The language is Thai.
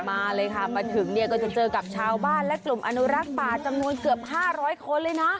มาเลยค่ะมาถึงเนี่ยก็จะเจอกับชาวบ้านและกลุ่มอนุรักษ์ป่าจำนวนเกือบ๕๐๐คนเลยนะ